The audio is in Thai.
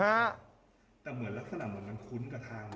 แต่เหมือนลักษณะเหมือนมันคุ้นกับทางเรา